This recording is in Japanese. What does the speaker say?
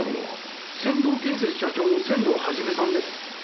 仙堂建設社長の仙堂肇さんです。